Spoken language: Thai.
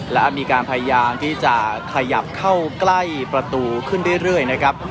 และมีการพยายามที่จะขยับเข้าใกล้ประตูขึ้นเรื่อยนะครับ